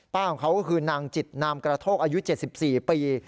ของเขาก็คือนางจิตนามกระโทกอายุ๗๔ปี